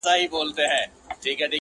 خود به د حالاتو سره جنګ کيیار ګټي میدان,